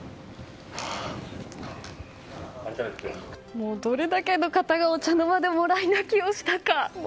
もう、どれだけの方がお茶の間でもらい泣きをしたか。